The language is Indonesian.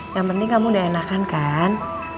yang penting kamu udah enakan kan